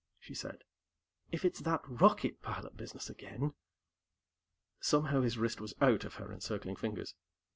she said. "If it's that rocket pilot business again...." Somehow, his wrist was out of her encircling fingers.